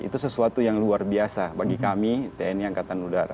itu sesuatu yang luar biasa bagi kami tni angkatan udara